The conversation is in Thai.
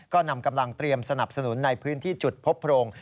ก็นำกำลังเตรียมสนับสนุนในพื้นที่จุดพบโพรง